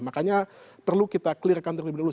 makanya perlu kita clear kantor kantor dulu